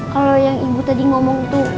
kalau yang ibu tadi ngomong tuh